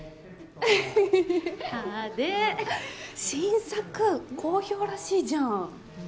新作好評らしいじゃん。